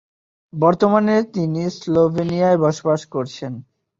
বর্তমানে তিনি স্লোভেনিয়ায় বসবাস করছেন।